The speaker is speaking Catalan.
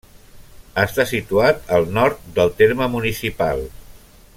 Està situat al nord del terme municipal.